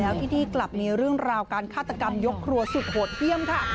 ที่นี่กลับมีเรื่องราวการฆาตกรรมยกครัวสุดโหดเยี่ยมค่ะ